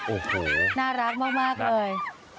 โอ้โหน่ารักมากเลย